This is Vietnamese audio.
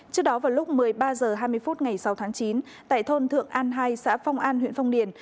trước đó vào lúc một mươi ba h hai mươi phút ngày sáu tháng chín tại thôn thượng an hai xã phong an huyện phong điền